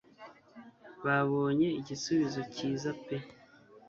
babonye igisubizo cyza pe